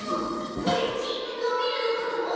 オレっちのびるのこともっとしりたい！